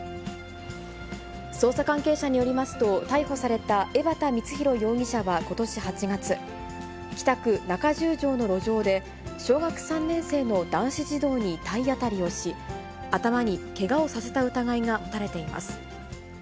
捜査関係者によりますと、逮捕された江幡光博容疑者はことし８月、北区中十条の路上で、小学３年生の男子児童に体当たりをし、頭にけがをさせた疑いが持たれています。